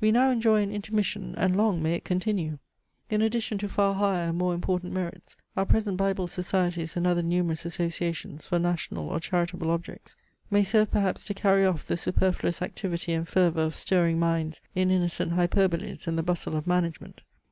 We now enjoy an intermission, and long may it continue! In addition to far higher and more important merits, our present Bible societies and other numerous associations for national or charitable objects, may serve perhaps to carry off the superfluous activity and fervour of stirring minds in innocent hyperboles and the bustle of management.